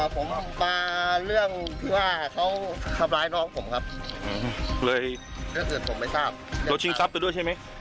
ผมมาเรื่องที่ว่าเขาทำร้ายน้องของผมครับเลยเพราะฉะนั้นผมไม่ทราบโดยชิงทรัพย์ตัวด้วยใช่ไหม